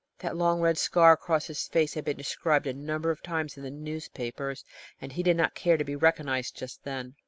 That long red scar across his face had been described a number of times in the newspapers, and he did not care to be recognised just then.